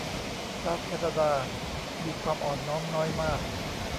ชาวแคนาดามีความอ่อนน้อมน้อยมาก